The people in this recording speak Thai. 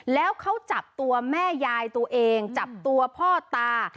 แล้วเขาจับตัวแม่ยายตัวเองจับตัวพ่อตา